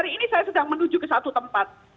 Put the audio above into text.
hari ini saya sedang menuju ke satu tempat